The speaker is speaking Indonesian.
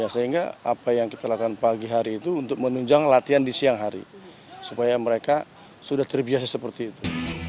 sehingga apa yang kita lakukan pagi hari itu untuk menunjang latihan di siang hari supaya mereka sudah terbiasa seperti itu